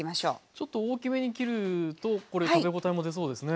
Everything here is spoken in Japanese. ちょっと大きめに切るとこれ食べ応えも出そうですね。